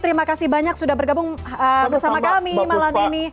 terima kasih banyak sudah bergabung bersama kami malam ini